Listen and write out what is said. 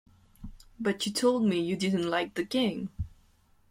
But you told me you didn't like the game.